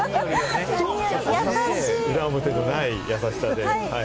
裏表のない優しさで。